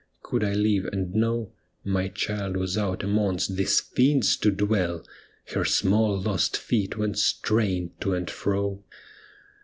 Could I live and know My child was out amongst these fiends to dwell, Her small, lost feet went straying to and fro